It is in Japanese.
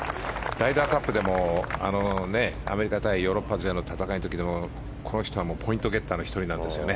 ライダーカップでもアメリカ対ヨーロッパ勢の戦いの時でも、この人はポイントゲッターの１人なんですよね。